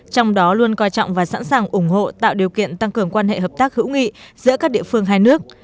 trong đó luôn coi trọng và sẵn sàng ủng hộ tạo điều kiện tăng cường quan hệ hợp tác hữu nghị giữa các địa phương hai nước